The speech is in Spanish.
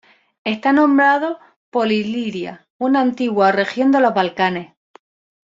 Está nombrado por Iliria, una antigua región de los Balcanes.